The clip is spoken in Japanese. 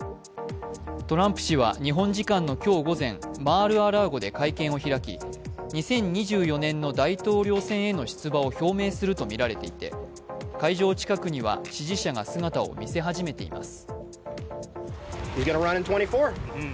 トランプ氏は日本時間の今日午前、マール・ア・ラーゴで会見を開き、２０２４年の大統領選挙への出馬を表明するとみられていて会場近くには支持者が姿を見せ始めています。